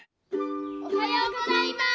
おはようございます！